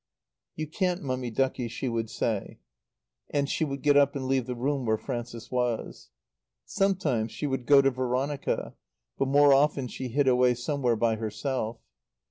"You can't, Mummy ducky," she would say. And she would get up and leave the room where Frances was. Sometimes she would go to Veronica; but more often she hid away somewhere by herself.